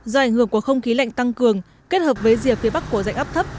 do ảnh hưởng của không khí lạnh tăng cường kết hợp với rìa phía bắc của dạnh áp thấp